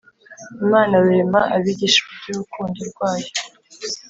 imana rurema; abigisha iby'urukundo rwayo.